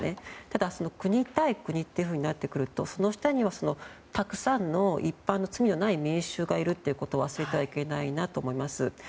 ただ、国対国となってくるとその下にはたくさんの一般の罪のない民衆がいるということを忘れてはいけないなと思います。